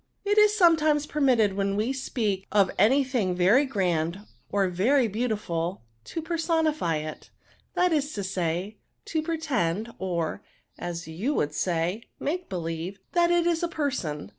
<^ It is sometimes permitted when we speak M 3 1^ NOUNS^ of any tiling very grand, or very beautiful^ to personify it ; that is to say, to pretend, or (as you would say) make believe, that it is a person.